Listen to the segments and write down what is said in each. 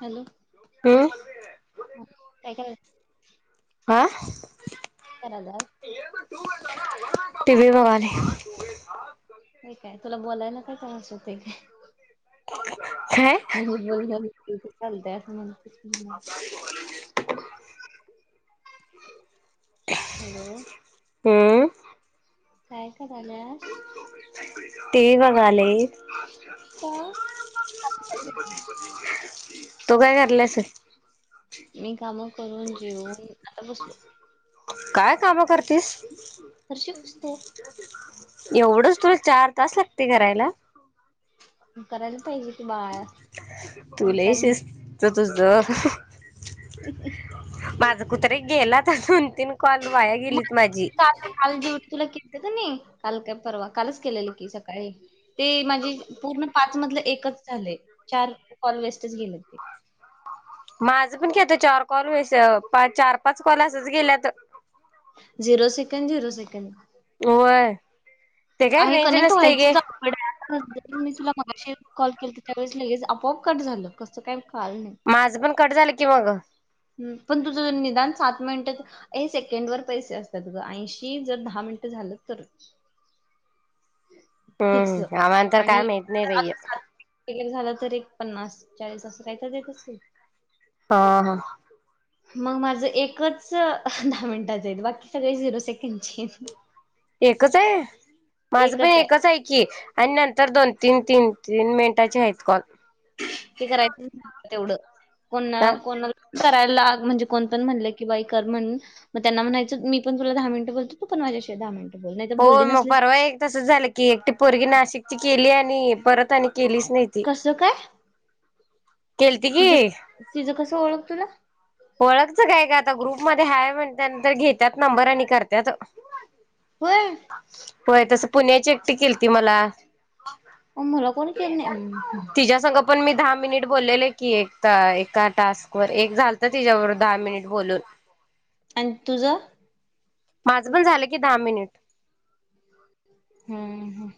Hello हम [unintelligible] काय करस. आ [unintelligible] करा दा [unintelligible] टी वी बघालोय. हे काय तुला बोलाय काय त्रास होतंय. काय म्हणजे बोल, बोल बोलते चालतय असं म्हणते. [unintelligible] हॅलो? हम्म काय करालयास? टीव्ही बघायलय. छ का गणपती पण तू काय करल्यास? मी कामं करून जेऊन आता बसलो. काय कामं करतीस? फरशी पुसतो एवढंच तुला चार तास लागते करायला. करायला पाहिजे ते बाळ पोचल ज ज ज [unintelligible] माझ कुत्रे गेल्यात तर दोन तीन कॉल वाया गेलीत. माझी काल काल जेवुण तुला केलत की नई काल काय परवा कालच केलेल की सकाळी ते माझी पूर्ण पाच मधले एकच झाले चार कॉल वेस्टच गेलेत ते माझं पण की आता चार कॉल व्यस चार पाच कॉल असच गेल्यात त झिरो सेकंड झिरो सेकंड होय. ते काय आहे रेंज कनेक्ट नसतय गे व्हायचं अवघडहाय आता जरी मी तुला मगाशी कॉल केलंत त्यावेळेस लगेच आपोआप कट झालं कसं काय कळालं नाही. माझं पण कट झालं की मग पण तुझं निदान सात मिनिट सेकंड वर पैसे असतात ग ऐशी जर दहा मिनट झाल. झालं तरचं हम्म आम्हांना तर काय माहीत नाई बाई य आता सात वगैरे झालं तर एक पन्नास चाळीस असं काही तर देत असतील. हा हा मग माझ एकच दहा मिनिटात हाईत बाकी सगळे झिरो सेकंडचेयेत. एकच हाय माझ पण आहे. एकच हाय की आणि नंतर दोन तीन तीन तीन मिनटाचे आहेत कॉल हे करायचं तेवढं कोण हा कोणा करायला म्हणजे कोण पण म्हणलं की बाई कर म्हणून मग त्यांना म्हणायचं मी पण तुला दहा मिनट बोलतो तू पण माझ्या शी दहा मिनिटं बोल नाही तर हो बोलली मग नसलीस परवा एक तस झालं की एकटी पोरगी नाशिकची केली आणि परत आणि केलीच नाय ती कसं काय केलती की, तिचं तिचं कसं ओळख तुला ओळखच काय काय गं आता ग्रुप मध्ये हाय म्हणत्या न त्यानंतर घेतात नंबर आणि करत्यात. होय. होय तसं पुण्याची एकटी केलती मला अहो मला कोण केलं नाय अं हं तिच्या संग पण मी दहा मिनिट बोललेले की एक एका टास्कवर एक झालत तिच्याबरोबर दहा मिनिट बोलून आणि तुझ? माझं पण झालं की दहा मिनिट हम्म ह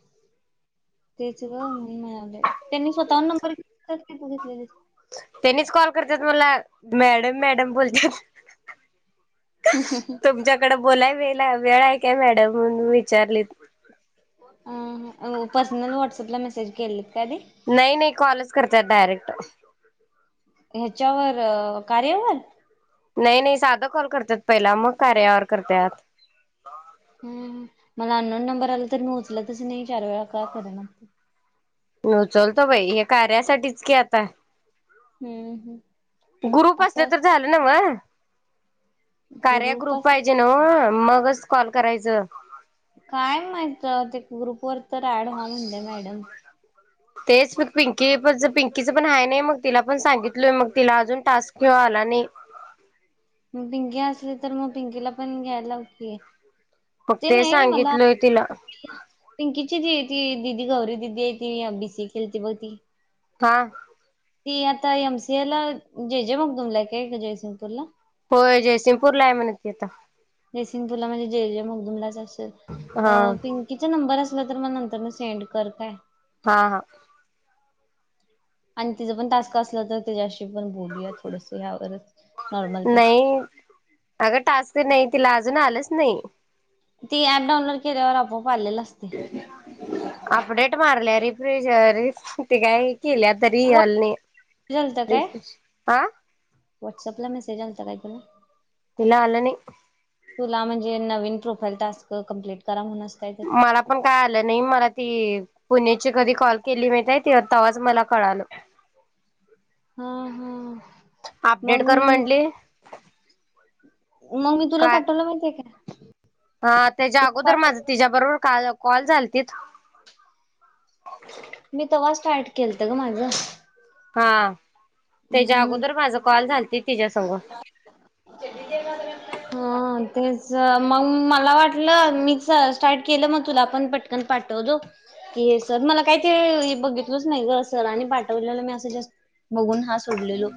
तेच गं म्हणून म आलं त्यांनी स्वतः हुन नंब बरं घेतलेला का तु घेतलेलीस त्यांनीच कॉल करतात मला मॅडम मॅडम बोलत्यात. [inaudible] बोलायला वे वेळ आहे काय मॅडम म्हणून विचारलीत. पर्सनल व्हाट्सअप ला मेसेज केलेत काय आधी नाही -नाही कॉलच करत्यात डायरेक्ट ह्याच्यावर कार्यावर नाही -नाही साधा कॉल करतात पहिला मग कार्यावर करत्यात हम मला अननोन नंबर आला तर मी उचलतच नाही चार वेळा का करणात मागत मी उचलतो बाई हे कार्यासाठीच की आता [inaudible] हम्म हम्म. ग्रुप असले असं तर असतं झालं नवं मग कार्या ग्रुप पाहिजे नवं मगच कॉल करायचं काय माहित ते ग्रुप वर तर ऍड हो म्हणलंय मॅडम तेच मग पिंकी पण पिंकीचं पण आहे नाही मग तिला पण सांगितलोय मग तिला अजून टास्क नाही आला आणि मग पिंकी असली तर मग पिंकीला पण घ्यायला लाव की मग ते नाही मला सांगितलोय [inaudible] तिला पिंकीची जी ती दिदी गौरी दिदी आहे ती बी सी केलती -बघ ती हा ती आता एम सी एला जेजे मग तुमलाय का आहे का जयसिंगपूरला होय जयसिंगपूरला आहे म्हणथ जेसिंग पूला म्हणजे जे जे मगदुमलाच असेल हा पिंकीचा नंबर अस तर म नंतर सेंड करतय हा हा आणि तिचं पण टाासक असलं तर त्याच्याशी ण बोलूया थोडस ह्या नॉर्मलपेक्षा नाही अगं टाचक नाही तिला अजून आलंच नाही ती ऍप डाउनलोड केल्यावर आपोआप आलेल असते अपडेट मारल्या रिफ्रिजर ते काय केले आता व्हॉट्सअप रियालने हा व्हॉट्सअप ला मेसेज आलता काही पण इला आलने तुला म्हणजे नवीन प्रोफाईल टास्क कं्प्लीट करा म्ह मला पण काय आलं नाही मला ती पुण्याची कधी कॉल केली मिळतय तेताव्हाच मला कळाल हा हा अपडेट मग कर म्हटली मग मी तुला काय पाठवलं माहितीे का हा त्याच्या तू अगोदर माझ पाठवलं तिच्या्या बरोबर काल कॉल झाल त मी तेव्हा स्टार्ट केलत ग माझं हा त्याच्या म्हणून अगोदर माझ कॉल झाल हा तेच मग मला वाटलं मीच स्टार्ट केलं मग तुला पण पटकन पाठव दो हे सर मला काही ते बघितलंच नाही गर सर आणि पाठवलेलं मी असं जास्त बघून हा सोडलेलो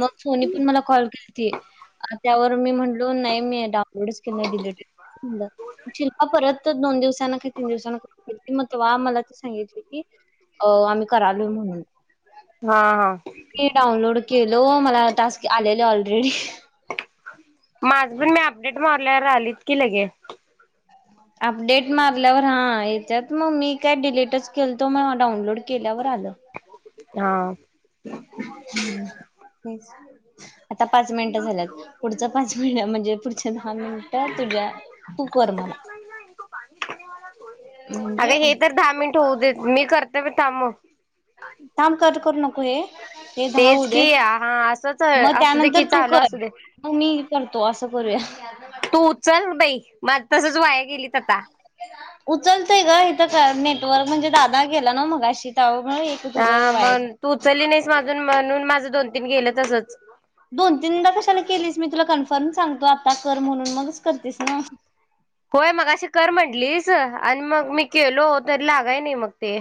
मग सोनी पण मला कॉल केली त त्यावर मी म्ह ी डालोड शि परत दोन दिव तीन दिव मग तेव्हा मला ते सांगितले की अ आम्ही करालोय म्हणून हा हा डाउनलोड केलो मला टास्क आलेले ऑलरेडी माझ पण मी अपडेट मारल्यावर राहिलीत की लगे अपडेट मारल्यावर हा याच्यात मग मी काय डिलेटच केलतो मग डाउनलोड केल्यावर लं हा हम्म तेच आता पाच मिनिटं झाल्यात पुढच पाच मिनिटं म्हणजे पुढच्या दहा मिनिटं तुझ्या तूकर मला म्हणजे अगं हे तर दहा मिनिट होऊ देत मी करते थांब. थांब कट करू नको हे. ते धाव तेच देत की हा असंच मग असू दे त्यानंतर की तू चालू कर, असू दे मग मी करतो असं करूया. [unintelligible] तू उचल बाई, मझ तसच वाया गेलीत आता. उचलतय ग इथं का नेटवर्क म्हणजे दादा गेला ना मग अशी त हा मग तू उचलली नाहीस माजून म्हणून माझं दोन तीन गेलं तसंच. दोन तीनदा कशाला केलीस मी तुला कन्फर्म सांगतो आता कर म्हणून मगच करतेस ना. होय मग अशी कर म्हंटलीस आणि, मग मी केलो तर लागाय नाही मग ते.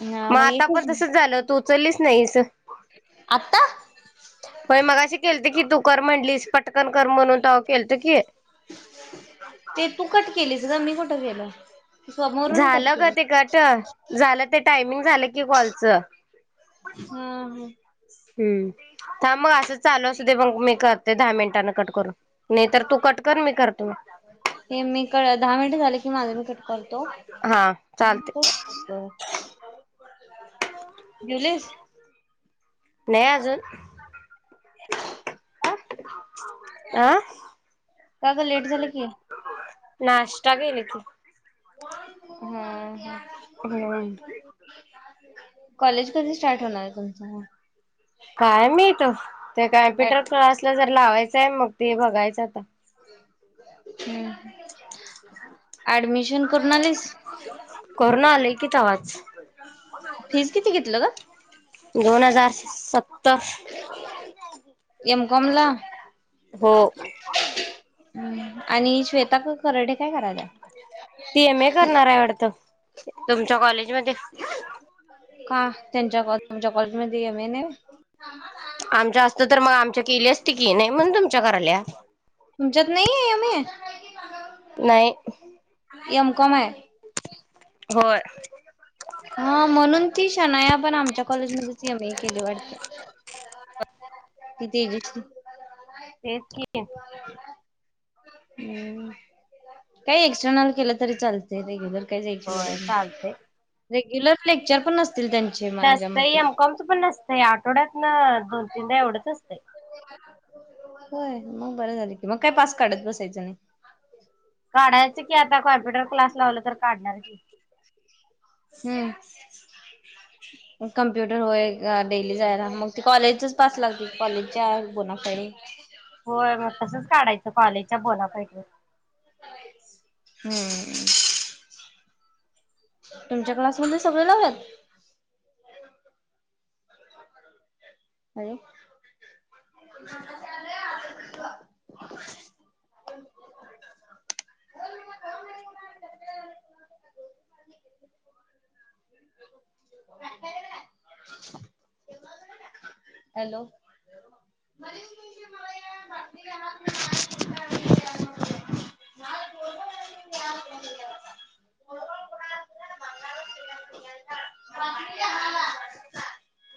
हा मग आता पण तस एकच झालं तू उचललीच नाहीस. आता म्हण मग अे केलते की तू. कर म्हणलीस पटकन कर म्हणून त केलत की. ते तू कट केलीस ग मी कुठं केलं. समोरून कट झालं ग केले ते कट झालं ते टायमिंग झालं की कॉलच. हम्म हम. हम्म. हां मग असं चालू असू दे मग, मी करते दहा मिनिटांने कट करून, नाही तर तू कट कर मी करते. हे मी क दहा मिनट झाले की माझा मी कट करतो. हा चालते हम् खप. ज्युलस. नाही अजून. ह अ का का लेट झालं की? जागेले त. हम् ह. हो. कॉलेज कधी स्टार्ट होणार तुमचा? काय मी तो ते कॉम्प्युटर क्लासला जर लावायचंय मग ते बघायचं आता. घर प ऍडमिशन करून आलीस [unintelligible] करुन आलंय कि तवाच. फीज किती घेतलं ग दोन हजार सत्तर. एम कौम ला? हो आणि श्वेता करडे काय करायला? ती एम ए करणार आहे वडत तुमच्या कॉलेजमध्येध्ये. का त्यांच्यामच्या कॉलेज मध्ये एम ए न? आमच असत तर मग आमच्या केली असती, की नाही म्हण तुमच्या कराल्या. तुमच्यात नाही आहे एम ए? नाही एम कोम आहे. होय. हा म्हणून ती छान आया पण आमच्या कॉलेज एम ए केले वाटते. ते गच. तेची हम् काही एक्स्टर्नल केलं तरी चालत रेग्युलर. होय चालतय. ेग्युलर लेक्चर पण, नसतील त्यांचे माझ्या नसतंय मते. एमकॉमच पण नसतं, आठवड्यात ना दोन तीनदा एवढंच असतं. होय मग बरं झालं कि मग काय पास काढत बसायचं नाही. काढायचं की आता कॉम्प्युटर क्लास लावल तर काढणार की. हम्म. कम्प्युटर होय डेली जायला मग ती कॉलेजच पास लागते कॉलेजच्या कुणाकडे. होय मग तसंच काढायचं कॉलेजच्या बोलापैकी हम्म तुमच्या क्लासमध्ये सगळे लावत अरे हॅलो बा ह